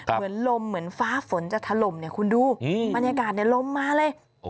เหมือนลมเหมือนฟ้าฝนจะถล่มเนี่ยคุณดูบรรยากาศลมมาเลย